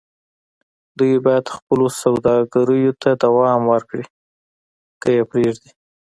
دوی بايد خپلو سوداګريو ته دوام ورکړي که يې پرېږدي.